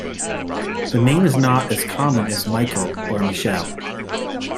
The name is not as common as Michael or Michiel.